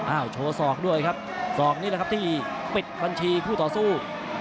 โชว์ศอกด้วยครับศอกนี่แหละครับที่ปิดบัญชีคู่ต่อสู้